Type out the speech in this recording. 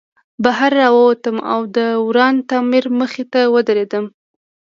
بهر راووتم او د وران تعمیر مخې ته ودرېدم